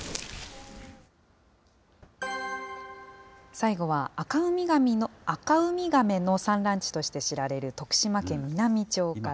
最後はアカウミガメの産卵地として知られる、徳島県美波町から。